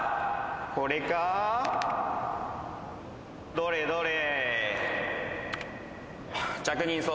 どれどれ。